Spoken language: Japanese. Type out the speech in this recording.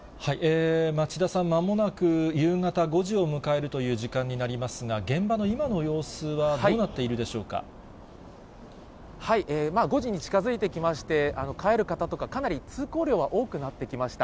町田さん、まもなく夕方５時を迎えるという時間になりますが、現場の今の様５時に近づいてきまして、帰る方とか、かなり通行量は多くなってきました。